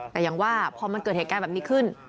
แต่อย่างว่าพอมันเกิดเหตุการณ์แบบนี้ขึ้น